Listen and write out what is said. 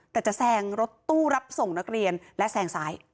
แต่จะแซงรถตู้รับส่งนักเรียนและแซงซ้าย